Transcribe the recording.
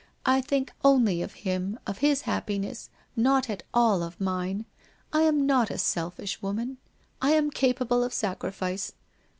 I think only of him, of his happiness, not at all of mine ; I am not a selfish woman. I am capable of sacrifice.